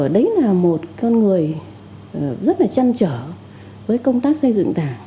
đấy là một con người rất là chăn trở với công tác xây dựng đảng